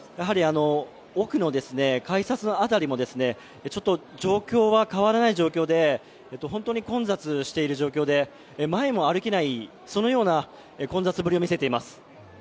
奥の改札の辺りも状況は変わらない状況で、本当に混雑している状況で、前も歩けない、そのような混雑ぶりを見せています。